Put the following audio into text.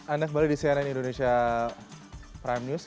anda kembali di cnn indonesia prime news